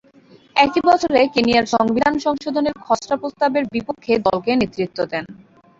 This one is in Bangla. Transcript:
একই বছরে কেনিয়ার সংবিধান সংশোধনের খসড়া প্রস্তাবের বিপক্ষে দলকে নেতৃত্ব দেন।